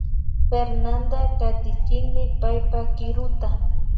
Fernanda katichinmi paypa kiruta